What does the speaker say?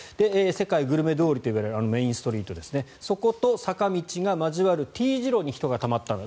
世界グルメ通りと呼ばれるあのメインストリートですねそこと坂道が交わるＴ字路に人がたまったと。